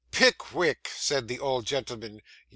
'Pickwick!' said the old gentleman.